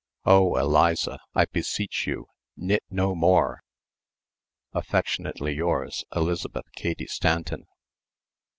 Oh, Eliza, I beseech you, knit no more! "Affectionately yours, "Elizabeth Cady Stanton."